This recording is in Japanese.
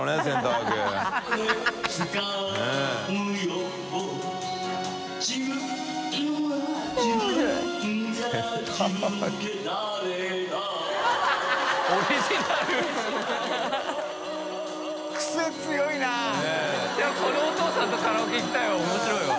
風間）でもこのお父さんとカラオケ行きたいわ面白いわ。